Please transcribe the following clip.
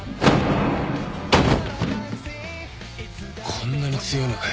こんなに強いのかよ。